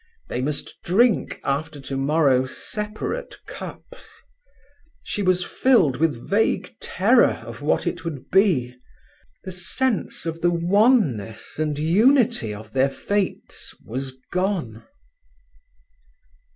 They must drink, after tomorrow, separate cups. She was filled with vague terror of what it would be. The sense of the oneness and unity of their fates was gone.